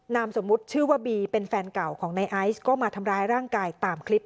นามสมมุติชื่อว่าบีเป็นแฟนเก่าของในไอซ์ก็มาทำร้ายร่างกายตามคลิป